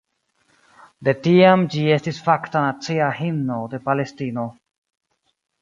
De tiam ĝi estis fakta nacia himno de Palestino.